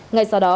ngay sau đó